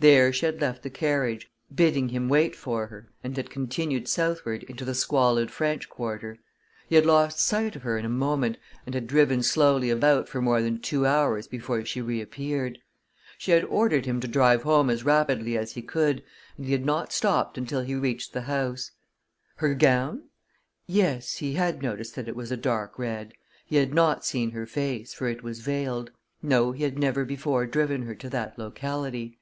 There she had left the carriage, bidding him wait for her, and had continued southward into the squalid French quarter. He had lost sight of her in a moment, and had driven slowly about for more than two hours before she reappeared. She had ordered him to drive home as rapidly as he could, and he had not stopped until he reached the house. Her gown? Yes, he had noticed that it was a dark red. He had not seen her face, for it was veiled. No, he had never before driven her to that locality.